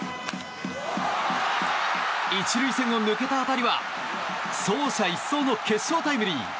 １塁線を抜けた当たりは走者一掃の決勝タイムリー。